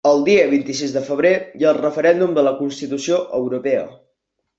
El dia vint-i-sis de febrer hi ha el referèndum de la Constitució europea.